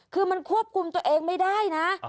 คือมันควบคุมตัวเองไม่ได้นะ